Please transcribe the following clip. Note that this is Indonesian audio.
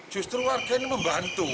justru warga ini membantu